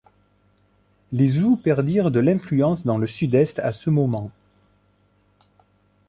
Les Zhou perdirent de l'influence dans le sud-est à ce moment.